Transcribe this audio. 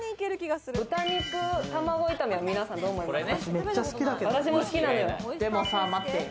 豚肉たまご炒めは皆さん、どう思います？